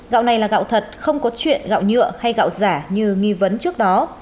gạo này là gạo thật không có chuyện gạo nhựa hay gạo giả như nghi vấn trước đó